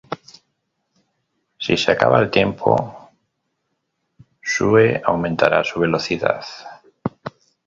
Si se acaba el tiempo, Sue aumentará su velocidad.